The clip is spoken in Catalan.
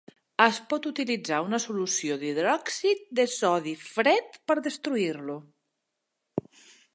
Es pot utilitzar una solució d'hidròxid de sodi fred per destruir-lo.